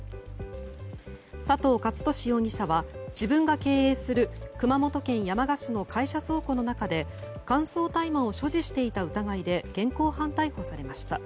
佐藤勝利容疑者は自分が経営する熊本県山鹿市の会社倉庫の中で乾燥大麻を所持していた疑いで現行犯逮捕されました。